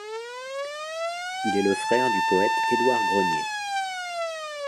Il est le frère du poète Édouard Grenier.